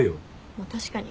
まあ確かに。